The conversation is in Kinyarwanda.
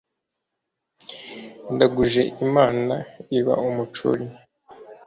ndaguje imana iba umucuri!